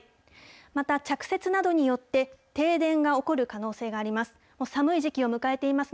また、着雪などによって、停電が起こる可能性があります。